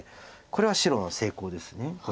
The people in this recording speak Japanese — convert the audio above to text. これは白の成功です。